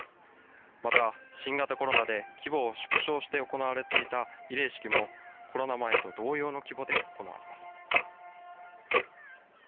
また、新型コロナで規模を縮小して行われていた慰霊式も、コロナ前と同様の規模で行われます。